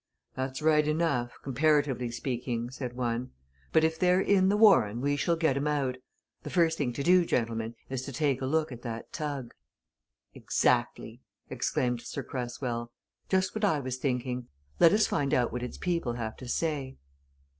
"That's right enough comparatively speaking," said one. "But if they're in the Warren we shall get 'em out. The first thing to do, gentlemen, is to take a look at that tug." "Exactly!" exclaimed Sir Cresswell. "Just what I was thinking. Let us find out what its people have to say."